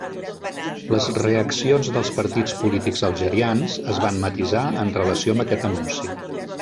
Les reaccions dels partits polítics algerians es van matisar en relació amb aquest anunci.